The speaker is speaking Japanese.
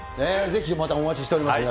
ぜひまたお待ちしております。